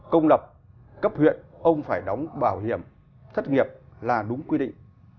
công lập cấp huyện ông phải đóng bảo hiểm thất nghiệp là đúng quy định